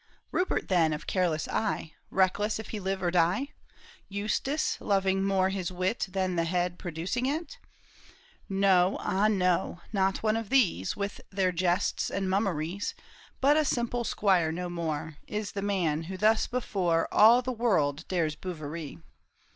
Rupert, then, of careless eye, Reckless if he live or die ? Eustace, loving more his wit Than the head producing it ? No, ah no, not one of these With their jests and mummeries, But a simple squire, no more, Is the man who thus before All the world dares Bouverie.